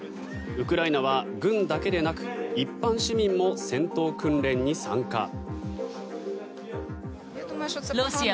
ウクライナは軍だけでなく一般市民も戦闘訓練に参加。